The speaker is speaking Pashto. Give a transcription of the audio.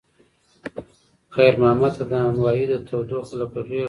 خیر محمد ته د نانوایۍ تودوخه لکه غېږ وه.